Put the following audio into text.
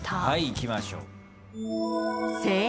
いきましょう。